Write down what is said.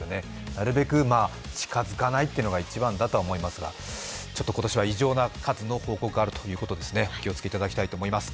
なるべく近づかないというのが一番だとは思いますが、今年は異常な数の報告があるということですねお気をつけいただきたいと思います。